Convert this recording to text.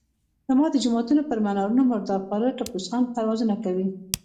زما د جوماتونو پر منارونو مردار خواره ټپوسان پروازونه کوي.